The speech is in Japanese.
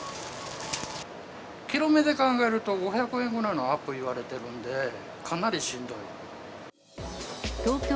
キロめで考えると、５００円ぐらいのアップ言われてるんで、かなりしんどい。